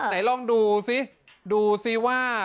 ไหนลองดูซิดูซิว่า